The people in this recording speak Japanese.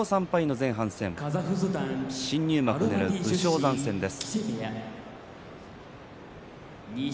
前半戦新入幕をねらう武将山です。